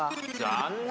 残念。